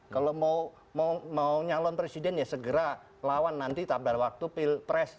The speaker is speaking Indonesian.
kalau mau nyalon presiden ya segera lawan nanti tabar waktu pil pres